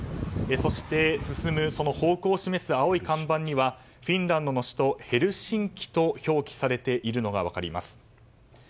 そして、進む方向を示す青い看板にはフィンランドの首都ヘルシンキと表記されているのが分かります。